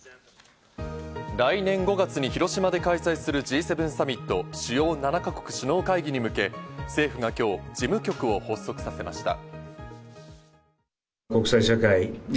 来年５月に広島で開催するＧ７サミット＝主要７か国首脳会議に向け、政府が今日、事務局を発足させました。